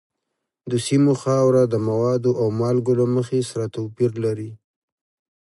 د سیمو خاوره د موادو او مالګو له مخې سره توپیر لري.